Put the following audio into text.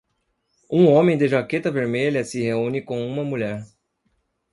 Um homem de jaqueta vermelha se reúne com uma mulher.